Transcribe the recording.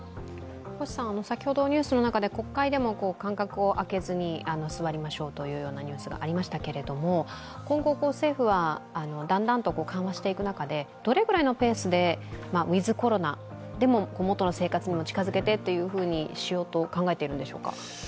先ほど、国会でも間隔を空けずに座りましょうというニュースがありましたが、今後、政府はだんだんと緩和していく中で、どれぐらいのペースでウィズ・コロナ、元の生活に近づけてと考えているんでしょうか。